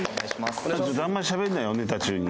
あんまりしゃべるなよネタ中に。